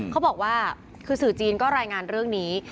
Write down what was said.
เขาบอกว่าคือสื่อจีนก็รายงานเรื่องนี้